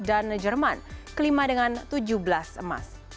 dan jerman kelima dengan tujuh belas emas